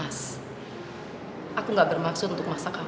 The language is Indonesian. aku gak bermaksud untuk masak kamu